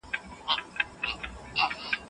ټولنیز علوم د انساني چلند اړخونه څېړي.